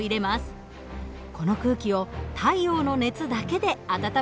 この空気を太陽の熱だけで温めるのです。